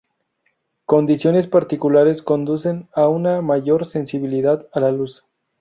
Condiciones particulares conducen a una mayor sensibilidad a la luz.